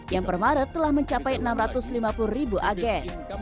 yang per maret telah mencapai enam ratus lima puluh ribu agen